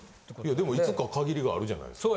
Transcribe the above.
でもいつか限りがあるじゃないですか。